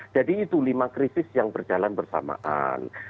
jadi itu lima krisis yang berjalan bersamaan